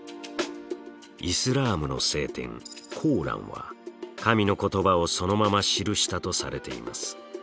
イスラームの聖典「コーラン」は神の言葉をそのまま記したとされています。